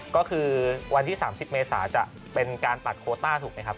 ก็คือวันที่๓๐เมษาจะเป็นการตัดโคต้าถูกไหมครับ